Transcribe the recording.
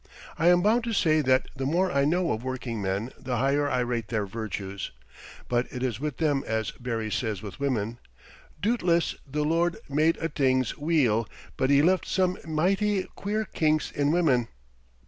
I am bound to say that the more I know of working men the higher I rate their virtues. But it is with them as Barrie says with women: "Dootless the Lord made a' things weel, but he left some michty queer kinks in women."